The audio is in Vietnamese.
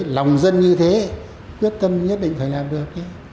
lòng dân như thế quyết tâm nhất định phải làm được